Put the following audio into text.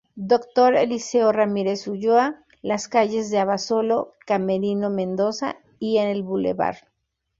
Dr. Eliseo Ramírez Ulloa, las calles de Abasolo, Camerino Mendoza, y el Blvd.